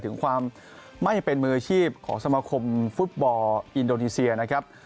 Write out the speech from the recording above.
ถึงความไม่เป็นมืออาชีพของสมาคมฟุตบอลอินโดนีเซียนะครับ